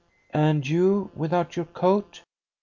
"And you without your coat!"